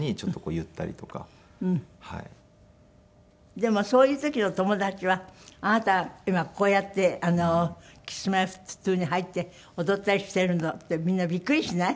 でもそういう時の友達はあなたが今こうやってＫｉｓ−Ｍｙ−Ｆｔ２に入って踊ったりしているのってみんなびっくりしない？